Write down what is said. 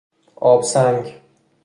آبسنگ